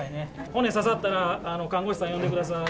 骨刺さったら、看護師さん、呼んでください。